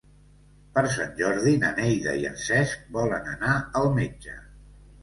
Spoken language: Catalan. Per Sant Jordi na Neida i en Cesc volen anar al metge.